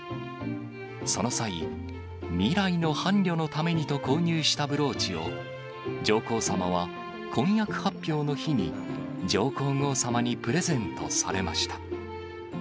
その際、未来の伴侶のためにと購入したブローチを上皇さまは婚約発表の日に、上皇后さまにプレゼントされました。